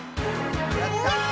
やった！